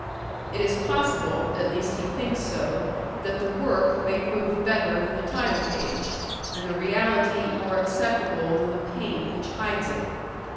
It is possible, at least he thinks so, that the work may prove better than the title page, and the reality more acceptable than the paint which hides it.